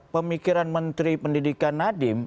pemikiran menteri pendidikan nadiem